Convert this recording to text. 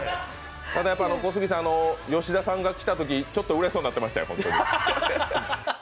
ただ、小杉さん、吉田さんが来たときちょっとうれしそうになってましたよ。